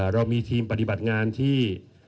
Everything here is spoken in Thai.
เรามีทีมปฏิบัติงานที่